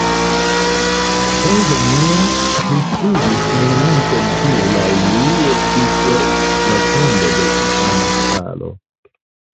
Paŭzanio priskribis monumenton kiu, laŭ li, estis la tombo de Tantalo.